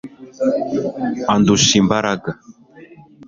andusha imbaraga